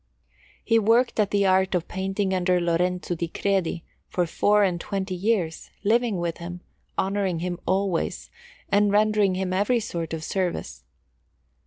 He worked at the art of painting under Lorenzo di Credi for four and twenty years, living with him, honouring him always, and rendering him every sort of service.